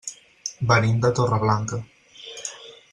Venim de Torreblanca.